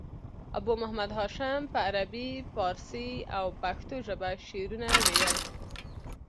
ابو محمد هاشم په عربي، پاړسي او پښتو ژبه شعرونه ویل.